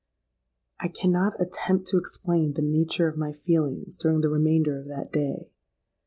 "I cannot attempt to explain the nature of my feelings during the remainder of that day.